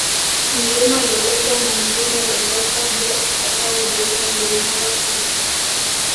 Mlima Loleza na Mlima Longosa bila kusahau mlima Loolmalasin